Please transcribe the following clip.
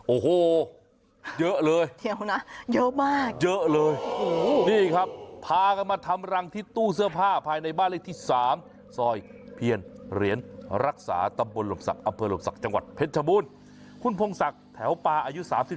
โอ้โหเยอะเลยเดี๋ยวนะเยอะมากเยอะเลย